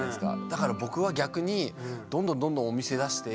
だから僕は逆にどんどんどんどんお店出して。